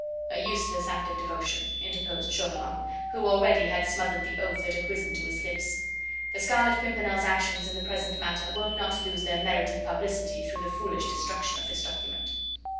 "A useless act of devotion," interposed Chauvelin, who already had smothered the oath that had risen to his lips. "The Scarlet Pimpernel's actions in the present matter will not lose their merited publicity through the foolish destruction of this document."